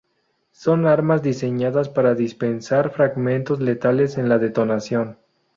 Son armas diseñadas para dispersar fragmentos letales en la detonación.